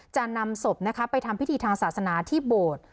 จะนำศพไปทำพิธีทางศาสนาที่โบสถ์